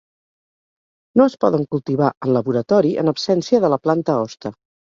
No es poden cultivar en laboratori en absència de la planta hoste.